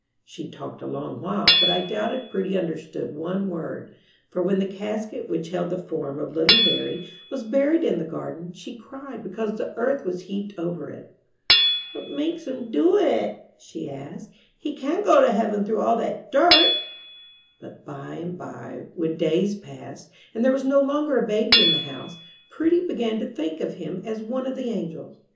She talked a long while, but I doubt if Prudy understood one word, for when the casket which held the form of little Harry was buried in the garden, she cried because the earth was heaped over it. "What makes 'em do it?" she asked, "he can't get to heaven through all that dirt!" But by and by, when days passed, and there was no longer a baby in the house, Prudy began to think of him as one of the angels.